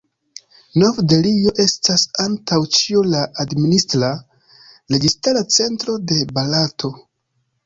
Nov-Delhio estas antaŭ ĉio la administra, registara centro de Barato.